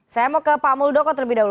saya mau ke pak muldoko terlebih dahulu